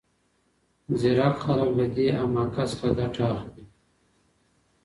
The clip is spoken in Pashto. ځیرک خلګ له دې حماقت څخه ګټه اخلي.